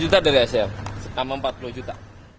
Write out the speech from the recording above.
delapan ratus dua puluh juta dari sel sama empat puluh juta